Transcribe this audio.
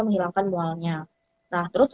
menghilangkan mualnya nah terus